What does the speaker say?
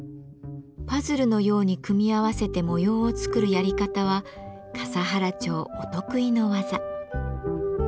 パズルのように組み合わせて模様を作るやり方は笠原町お得意の技。